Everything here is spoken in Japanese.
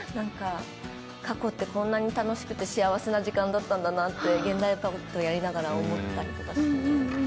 過去ってこんなに楽しくて幸せな時間だったんだなと現代パートをやりながら思ったりとかしました。